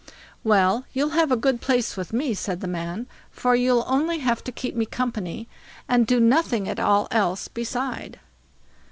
"Well, you'll have a good place with me", said the man; "for you'll only have to keep me company, and do nothing at all else beside."